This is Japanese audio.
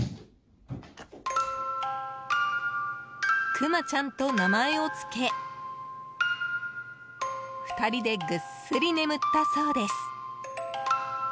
「くまちゃん」と名前をつけ２人でぐっすり眠ったそうです。